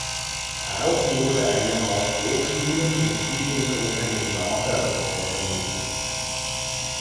Auch wurde eine Art Hochschulen und Studiengruppen in Lagern organisiert.